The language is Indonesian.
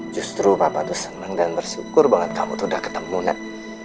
justru bapak tuh senang dan bersyukur banget kamu tuh udah ketemu net